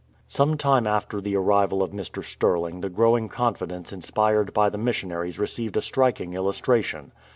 Some time after the arrival of Mr. Stirling the growing confidence inspired by the missionaries received a striking illustration.